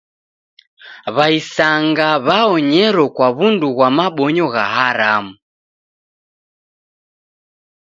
W'aisanga w'aonyero kwa w'undu ghwa mabonyo gha haramu.